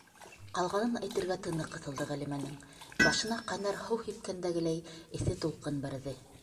- Ҡалғанын әйтергә тыны ҡыҫылды Ғәлимәнең, башына ҡайнар һыу һипкәндәгеләй эҫе тулҡын бәрҙе.